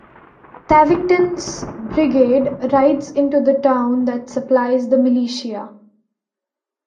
Tavington's brigade rides into the town that supplies the militia.